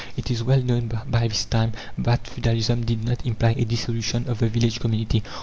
It is well known by this time that feudalism did not imply a dissolution of the village community.